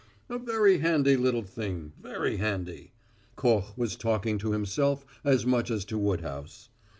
"A very handy little thing very handy." Koch was talking to himself as much as to Woodhouse.